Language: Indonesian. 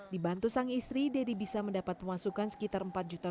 di bantu sang istri dedy bisa mendapat pemasukan sekitar empat juta rupiah perhubungan